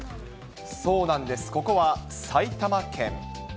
そうなんです、ここは埼玉県。